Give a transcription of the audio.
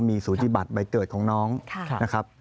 มีสูติบัติใบเกิดของน้องนะครับ